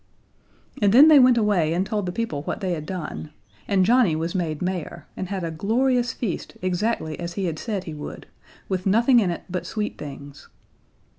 And then they went away and told the people what they had done, and Johnnie was made mayor, and had a glorious feast exactly as he had said he would with nothing in it but sweet things.